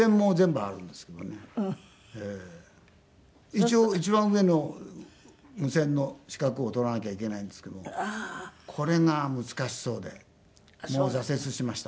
一応一番上の無線の資格を取らなきゃいけないんですけどもこれが難しそうでもう挫折しました。